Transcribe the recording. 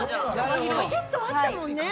カセットあったもんね。